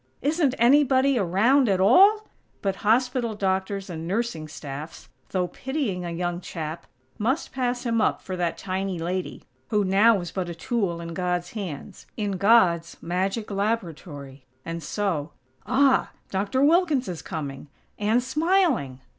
Isn't anybody around, at all? But hospital doctors and nursing staffs, though pitying a young chap, must pass him up for that tiny lady, who now was but a tool in God's hands; in God's magic laboratory. And so Ah!! Doctor Wilkins is coming _and smiling!!